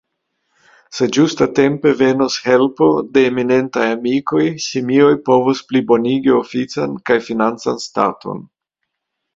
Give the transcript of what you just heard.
Se ĝustatempe venos helpo de eminentaj amikoj, Simioj povos plibonigi ofican kaj financan staton.